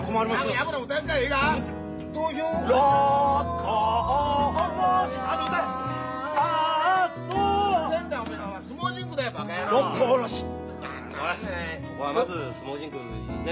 ここはまず「相撲甚句」。ね？